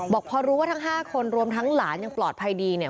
บอกพอรู้ว่าทั้ง๕คนรวมทั้งหลานยังปลอดภัยดีเนี่ย